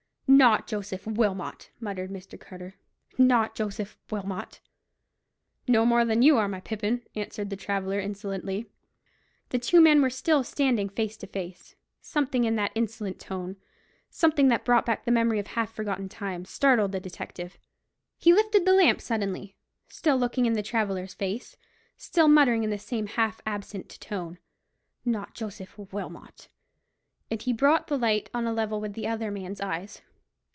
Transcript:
"Not Joseph Wilmot!" muttered Mr. Carter; "not Joseph Wilmot!" "No more than you are, my pippin," answered the traveller, insolently. The two men were still standing face to face. Something in that insolent tone, something that brought back the memory of half forgotten times, startled the detective. He lifted the lamp suddenly, still looking in the traveller's face, still muttering in the same half absent tone, "Not Joseph Wilmot!" and brought the light on a level with the other man's eyes.